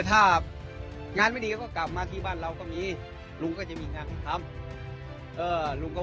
ถ้างานไม่ดีก็กลับมาบ้านเรากันนะลุงก็จะมีงานไปทำ